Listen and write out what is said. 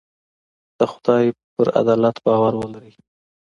د خدای په عدالت باور ولرئ.